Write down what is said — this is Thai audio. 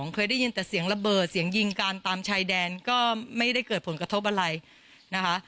เคยได้ยินแต่เสียงระเบิดเสียงยิงการตามชายแดนก็ไม่ได้เกิดผลกระทบอะไรนะคะ